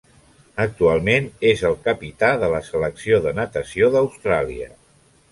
Actualment és el capità de la Selecció de Natació d'Austràlia.